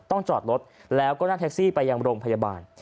จอดรถแล้วก็นั่งแท็กซี่ไปยังโรงพยาบาล